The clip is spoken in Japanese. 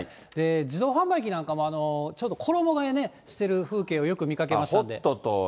自動販売機なんかも、ちょうど衣がえしてる風景をよく見かけましたんで。